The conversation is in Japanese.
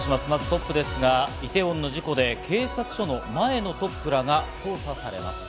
トップですが、イテウォンの事故で警察署の前のトップらが捜査されます。